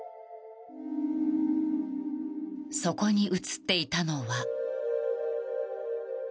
そこに映っていたのは。